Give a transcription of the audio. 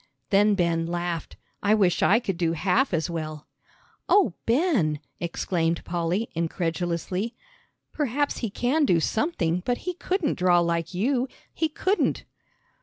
Then Ben laughed. "I wish I could do half as well." "Oh, Ben!" exclaimed Polly, incredulously. "Perhaps he can do something, but he couldn't draw like you. He couldn't."